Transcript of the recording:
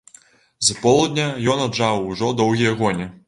З полудня ён аджаў ужо доўгія гоні.